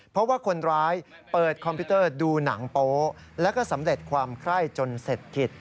เพราะว่าคนร้ายเปิดคอมพิวเตอร์ดูหนังโป๊แล้วก็สำเร็จความไคร้จนเสร็จกิจ